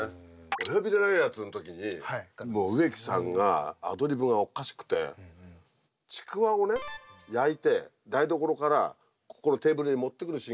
「オヨビでない奴！」の時に植木さんがアドリブがおかしくてちくわを焼いて台所からここのテーブルに持ってくるシーンがあるんですよ。